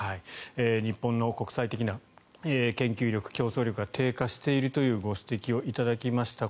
日本の国際的な研究力、競争力が低下しているというご指摘を頂きました。